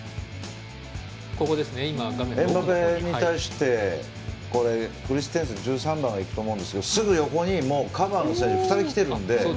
エムバペに対してクリステンセン１３番が行くと思うんですけどすぐ横にカバーの選手が２人来ているので。